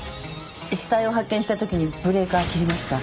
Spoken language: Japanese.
死体を発見したときにブレーカー切りました。